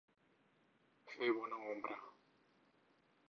Fer bona ombra.